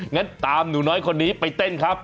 งั้นตามหนูน้อยคนนี้ไปเต้นครับ